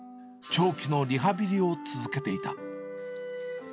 長期のリハビリを続けていた。